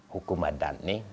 hukum adat ini